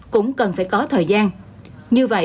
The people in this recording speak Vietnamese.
cũng cần phải có thời gian